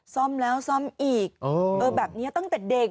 ซ่อมแล้วซ่อมอีกแบบนี้ตั้งแต่เด็ก